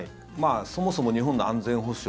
そもそも日本の安全保障